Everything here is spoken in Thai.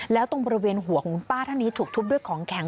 แล้วตรงบริเวณหัวของคุณป้าท่านนี้ถูกทุบด้วยของแข็ง